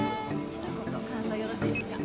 ひと言感想よろしいですか？